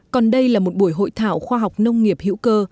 còn đây là một buổi hội thảo khoa học nông nghiệp hữu cơ